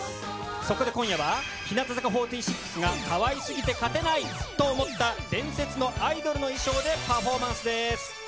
そこで今夜は、日向坂４６が、かわいすぎて勝てないと思った伝説のアイドルの衣装でパフォーマンスです。